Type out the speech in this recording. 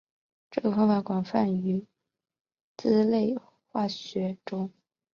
这个方法广泛用于甾类化学中。